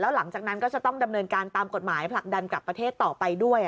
หลังจากนั้นก็จะต้องดำเนินการตามกฎหมายผลักดันกลับประเทศต่อไปด้วย